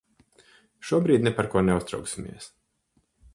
Šobrīd ne par ko neuztrauksimies.